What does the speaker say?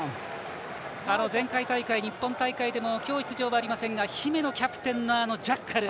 前回大会、日本大会でも今日出場はありませんが姫野キャプテンのジャッカル。